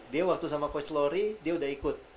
dia waktu sama coach lory dia udah ikut